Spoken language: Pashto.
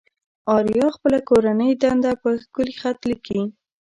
آريا خپله کورنۍ دنده په ښکلي خط ليكي.